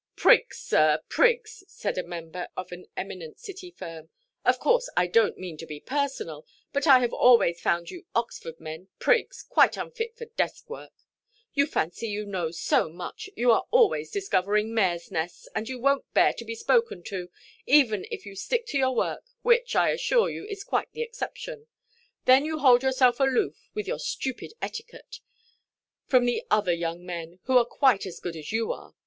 "Prigs, sir, prigs," said a member of an eminent City firm; "of course, I donʼt mean to be personal; but I have always found you Oxford men prigs, quite unfit for desk–work. You fancy you know so much; you are always discovering mareʼs–nests, and you wonʼt bear to be spoken to, even if you stick to your work; which, I assure you, is quite the exception. Then you hold yourself aloof, with your stupid etiquette, from the other young men, who are quite as good as you are.